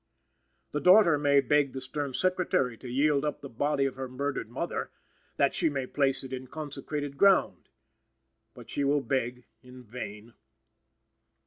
The daughter may beg the stern Secretary to yield up the body of her murdered mother, that she may place it in consecrated ground. But she will beg in vain.